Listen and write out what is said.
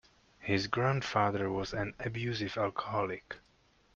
His grandfather was an abusive alcoholic.